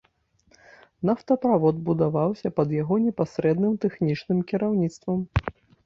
Нафтаправод будаваўся пад яго непасрэдным тэхнічным кіраўніцтвам.